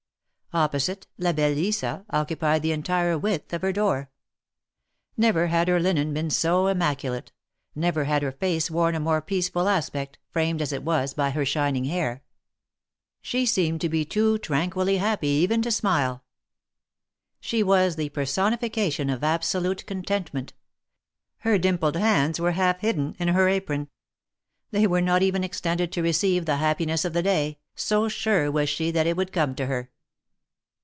Opposite, La belle Lisa occupied the entire width of her door. ^Never had her linen been so immaculate ; never had her face worn a more peaceful aspect, framed as it was by her shining hair. She seemed to be too tranquilly happy even to smile. She was the personification of absolute contentment; her dimpled hands were half hidden in her apron ; they were not even extended to receive the happiness of the day, so sure was she that it would come to her.